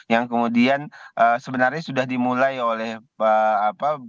yang kemudian sebenarnya sudah dimulai oleh apa